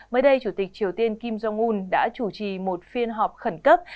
mới đây chủ tịch triều tiên kim jong un đã chủ trì một phiên họp khẩn cấp